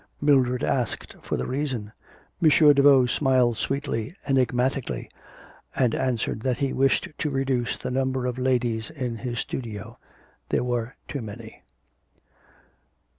Mildred asked for a reason. M. Daveau smiled sweetly, enigmatically, and answered, that he wished to reduce the number of ladies in his studio. There were too many.